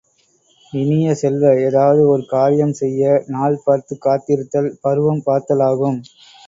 இனிய செல்வ, ஏதாவது ஒரு காரியம் செய்ய நாள் பார்த்துக் காத்திருத்தல் பருவம் பார்த்தலாகும்.